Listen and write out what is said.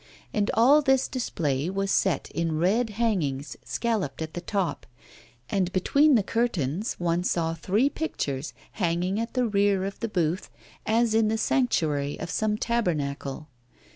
And all this display was set in red hangings, scalloped at the top; and between the curtains one saw three pictures hanging at the rear of the booth, as in the sanctuary of some tabernacle.